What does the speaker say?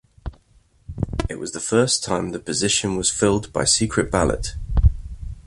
It was the first time the position was filled by secret ballot.